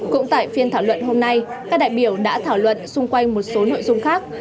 cũng tại phiên thảo luận hôm nay các đại biểu đã thảo luận xung quanh một số nội dung khác